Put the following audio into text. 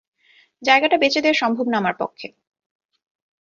জায়গাটা বেচে দেয়া সম্ভব না আমার পক্ষে।